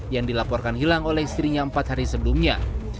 yang dilaporkan hilang oleh istrinya empat hari sebelumnya